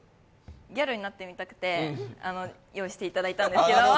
ギャルになってみたくて、用意していただいたんですけど。